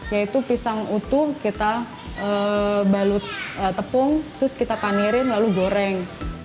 yaitu pisang utuh kita balut tepung terus kita panirin lalu goreng